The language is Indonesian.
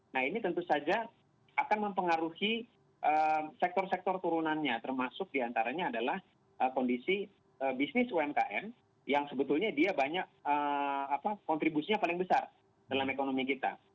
nah ini tentu saja akan mempengaruhi sektor sektor turunannya termasuk diantaranya adalah kondisi bisnis umkm yang sebetulnya dia banyak kontribusinya paling besar dalam ekonomi kita